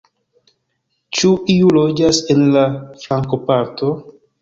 Ĉu iu loĝas en la flankoparto?